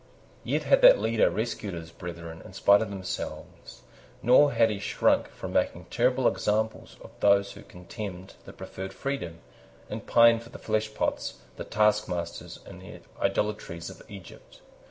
Yet had that leader rescued his brethren in spite of themselves; nor had he shrunk from making terrible examples of those who contemned the proffered freedom, and pined for the fleshpots, the taskmasters, and the idolatries of Egypt.